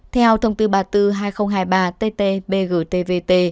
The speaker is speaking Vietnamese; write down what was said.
theo thông tư ba mươi bốn hai nghìn hai mươi ba tt bgtvt